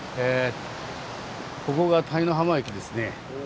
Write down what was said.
ここが田井ノ浜駅ですね。